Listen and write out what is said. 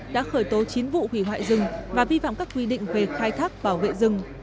đã khởi tố chín vụ hủy hoại rừng và vi phạm các quy định về khai thác bảo vệ rừng